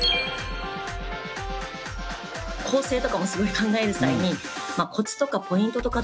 構成とかもすごい考える際にコツとかポイントとかって。